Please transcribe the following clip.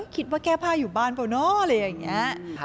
คิดว่าแก้ผ้าอยู่บ้านเปล่าเนาะอะไรอย่างนี้